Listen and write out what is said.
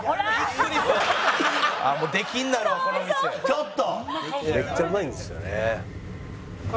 ちょっと！